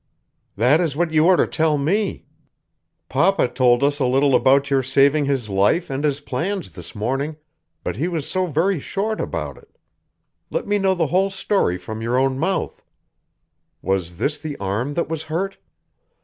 "That is what you are to tell me. Papa told us a little about your saving his life and his plans this morning, but he was so very short about it. Let me know the whole story from your own mouth. Was this the arm that was hurt?"